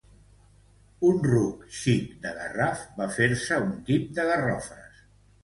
Un ruc xic de Garraf va fer-se un tip de garrofes.